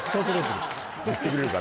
言ってくれるから。